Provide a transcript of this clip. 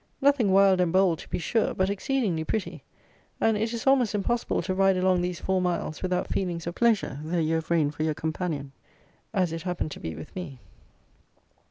Nothing wild and bold, to be sure, but exceedingly pretty; and it is almost impossible to ride along these four miles without feelings of pleasure, though you have rain for your companion, as it happened to be with me.